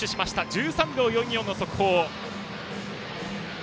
１３秒４４の速報。